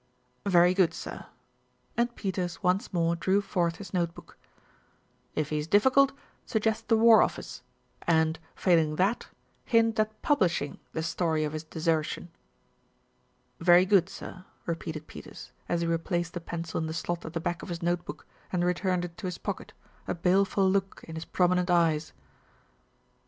"Very good, sir!" and Peters once more drew forth his notebook. "If he is difficult, suggest the War Office and, fail ing that, hint at publishing the story of his desertion." "Very good, sir," repeated Peters, as he replaced the pencil in the slot at the back of his notebook and returned it to his pocket, a baleful look in his promi nent eyes.